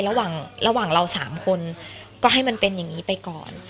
ระหว่างเรา๓คนก็ให้มันเป็นอย่างนี้ไปก่อน